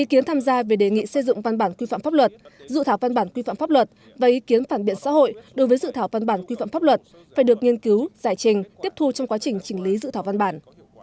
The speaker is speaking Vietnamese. ý kiến tham gia về đề nghị xây dựng văn bản quy phạm pháp luật dự thảo văn bản quy phạm pháp luật và ý kiến phản biện xã hội đối với dự thảo văn bản quy phạm pháp luật phải được nghiên cứu giải trình tiếp thu trong quá trình chỉnh lý dự thảo văn bản